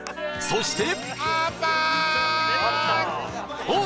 そして